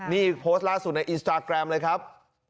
นี่โพสต์ล่าสุดในเลยครับ